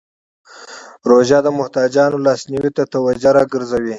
روژه د محتاجانو لاسنیوی ته توجه راګرځوي.